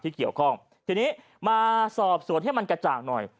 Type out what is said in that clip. เกี่ยวข้องทีนี้มาสอบสวนให้มันกระจ่างหน่อย